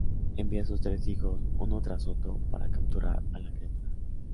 Envía a sus tres hijos, uno tras otro, para capturar a la criatura.